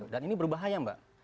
dan ini berbahaya mbak